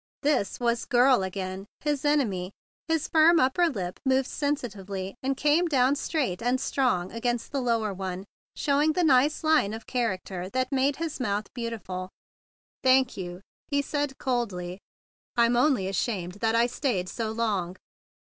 This was GIRL again, his enemy. His firm upper lip moved sensitively, and came down 120 THE BIG BLUE SOLDIER straight and strong against the lower one, showing the nice line of character that made his mouth beautiful. "Thank you," he said coldly. "Fm only ashamed that I stayed so long."